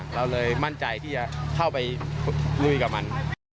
เราเลยมั่นใจที่จะเข้าไปลุยกับมัน